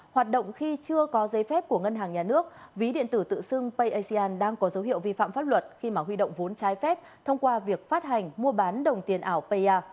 hoạt động khi chưa có giấy phép của ngân hàng nhà nước ví điện tử tự xưng payasian đang có dấu hiệu vi phạm pháp luật khi mà huy động vốn trái phép thông qua việc phát hành mua bán đồng tiền ảo pa